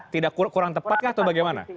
tidak kurang tepat kah atau bagaimana